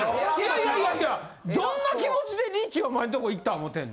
いやいやどんな気持ちでリチがお前んとこいった思てんの？